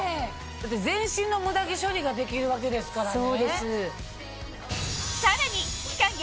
全身のムダ毛処理ができるわけですからね。